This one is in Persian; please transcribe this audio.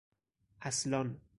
اَصلان